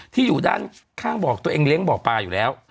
อยู่ด้านข้างบ่อตัวเองเลี้ยงบ่อปลาอยู่แล้ว